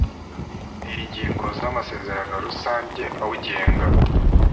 n ingingo z amasezerano rusange awugenga